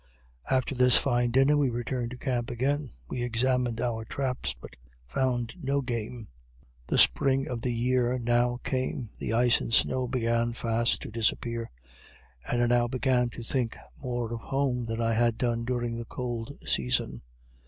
After this fine dinner we returned to camp again. We examined our traps but found no game. The spring of the year now came the ice and snow began fast to disappear and I now began to think more of home than I had done during the cold season.